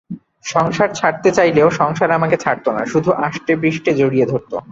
সংসার ছাড়তে চাইলেও সংসার আমাকে ছাড়ত না, শুধু আষ্টেপৃষ্ঠে জড়িয়ে ধরত।